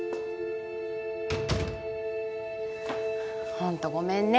ホントごめんね